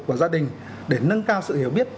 của gia đình để nâng cao sự hiểu biết